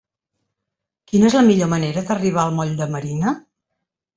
Quina és la millor manera d'arribar al moll de Marina?